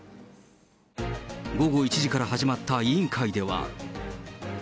午後１時から始まった委員会では。